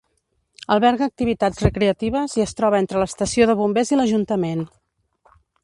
Alberga activitats recreatives i es troba entre l'estació de bombers i l'ajuntament.